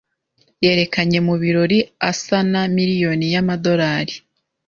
Yerekanye mu birori asa na miliyoni y'amadolari.